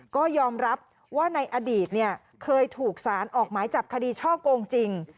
ก็ยอมรับว่าในอดีตเคยถูกสารออกหมายจับคดีช่อโกงจริง